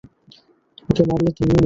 ওকে মারলে, তুমিও মরবে।